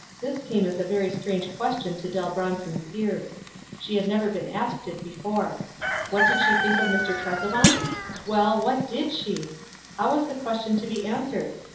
This came as a very strange question to Doll Bron son's ears. She had never been asked it before. What did she think of Mr. Tresevant? Well, what did she? — how was the question to be answered